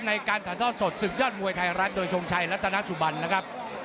ในการถ่ายทอดสดศึกยอดมวยไทยรัฐโดยทรงชัยรัตนสุบันนะครับ